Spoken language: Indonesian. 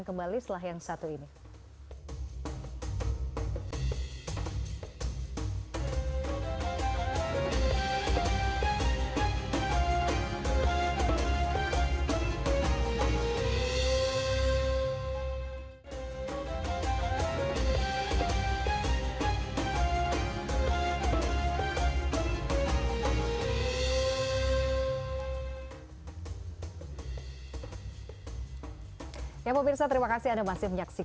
pemirsa jangan kemana mana